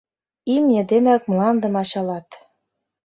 Имне денак мландым ачалат.